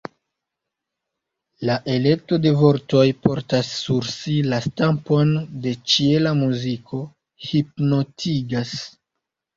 La elekto de vortoj portas sur si la stampon de ĉiela muziko, hipnotigas.